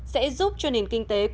sẽ giúp cho nền kinh tế đất nước